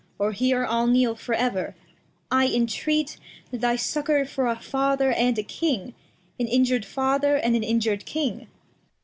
Or here I'll kneel for ever ; I entreat Thy Succour for a Father, and a King, An injur'd Father, and an injur'd King.